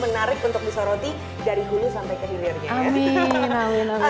menarik untuk bisa roti dari hulu sampai ke hilirnya ya